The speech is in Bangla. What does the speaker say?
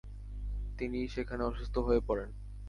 তিনি সেখানে অসুস্থ হয়ে পড়েন।